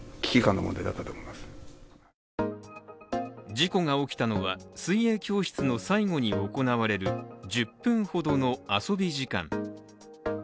事故が起きたのは水泳教室の最後に行われる１０分ほどの遊び時間。